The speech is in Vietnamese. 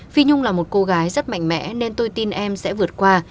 phi nhung là một cô gái rất mạnh mẽ nên tôi tin em sẽ vượt qua